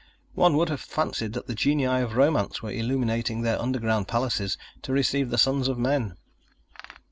One would have fancied that the genii of romance were illuminating their underground palaces to receive the sons of men.